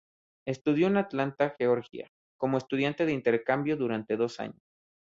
Estudió en Atlanta, Georgia, como estudiante de intercambio durante dos años.